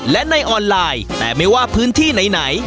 และในออนไลน์แต่ไม่ว่าพื้นที่ไหน